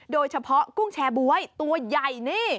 โดยเฉพาะกุ้งแชบ๊วยตัวใหญ่นี่